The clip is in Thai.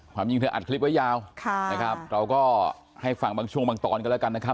ความจริงเธออัดคลิปไว้ยาวนะครับเราก็ให้ฟังบางช่วงบางตอนกันแล้วกันนะครับ